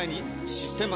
「システマ」